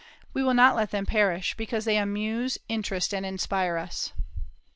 We will not let them perish, because they amuse and interest and inspire us.